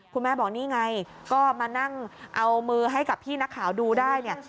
คุณแม่บอกนี่ไงก็มานั่งเอามือให้กับพี่นักข่าวดูได้เนี่ย